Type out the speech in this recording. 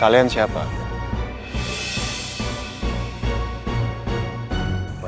jangan cure siacha